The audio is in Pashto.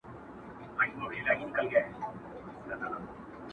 چي هر څوک سي بې عزته نوم یې ورک سي!.